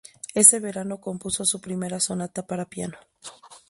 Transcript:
Ese verano compuso su primera sonata para piano.